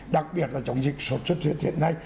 đặc biệt là chống dịch sốt xuất huyết hiện nay